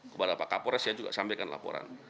kepada pak kapolres saya juga sampaikan laporan